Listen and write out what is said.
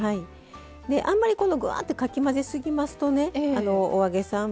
あんまりぐわってかき混ぜすぎますとねお揚げさん